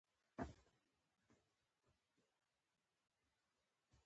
تر خپلواکۍ وروسته موګابي ډېر ژر یو په یو کار پیل کړ.